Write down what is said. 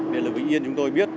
điện lực bình yên chúng tôi biết